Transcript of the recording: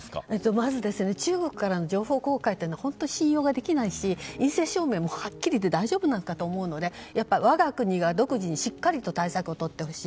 まず、中国からの情報公開というのは本当に信用ができないし陰性証明もはっきり言って大丈夫なのかと思うので、我が国がしっかりと対策をとってほしい。